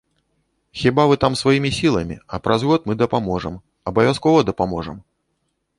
Хіба вы там сваімі сіламі, а праз год мы дапаможам, абавязкова дапаможам!